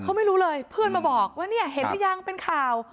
เขาไม่รู้เลยเพื่อนมาบอกว่าเนี่ยเห็นหรือยังเป็นข่าว